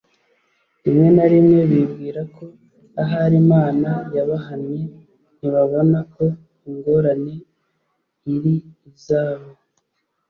Rimwe na rimwe bibwira ko ahari Imana yabahannye. Ntibabona ko ingorane iri izabo.